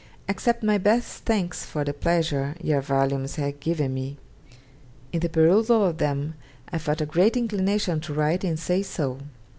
'Accept my best thanks for the pleasure your volumes have given me. In the perusal of them I felt a great inclination to write and say so.